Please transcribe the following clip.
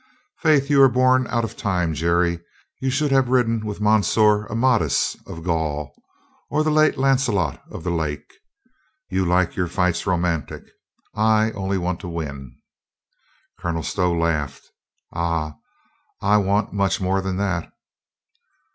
"Faith, you are born out of time, Jerry. You should have ridden with Monsieur Amadis of Gaul, or the late Lancelot of the Lake. You like your fights romantic. I only want to win." Colonel Stow laughed. "Ah, I want much more than that."